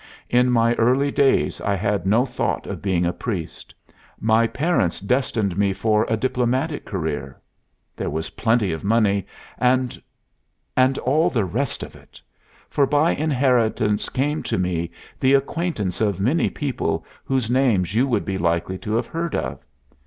In my early days I had no thought of being a priest. By parents destined me for a diplomatic career. There was plenty of money and and all the rest of it; for by inheritance came to me the acquaintance of many people whose names you would be likely to have heard of.